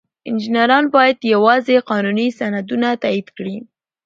انجینران باید یوازې قانوني سندونه تایید کړي.